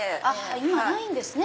今ないんですね